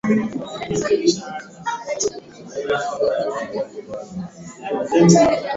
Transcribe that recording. na Hali ya hewaImpactNews com bila gharama na